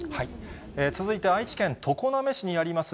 続いて、愛知県常滑市にあります